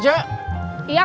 iya kang sebentar